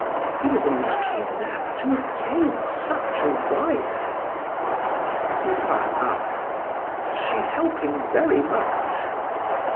He was a lucky man to obtain such a wife." Duroy asked: "Does she help him very much?"